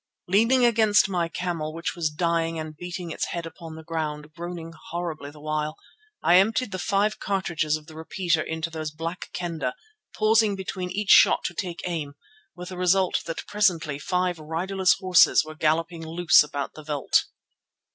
Leaning against my camel, which was dying and beating its head upon the ground, groaning horribly the while, I emptied the five cartridges of the repeater into those Black Kendah, pausing between each shot to take aim, with the result that presently five riderless horses were galloping loose about the veld.